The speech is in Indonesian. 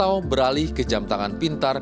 dan juga menggunakan koneksi yang lebih cepat